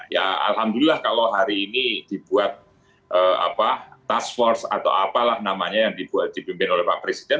ya alhamdulillah kalau hari ini dibuat task force atau apalah namanya yang dibuat dipimpin oleh pak presiden